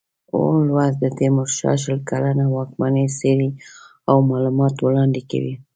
اووم لوست د تیمورشاه شل کلنه واکمني څېړي او معلومات وړاندې کوي.